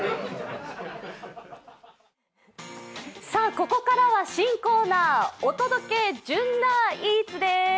ここからは新コーナー、「お届け！ジュンナーイーツ」です。